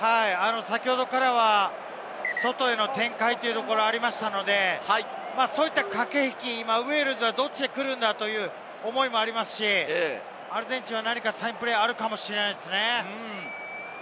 先ほどからは外への展開もありましたので、そういった駆け引き、ウェールズはどっちに来るんだという思いがありますし、アルゼンチンは何かサインプレーがあるかもしれないですね。